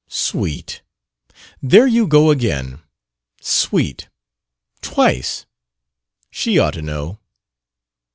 "'Sweet'! There you go again! 'Sweet' twice. She ought to know!"